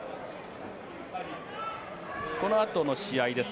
このあとの試合です。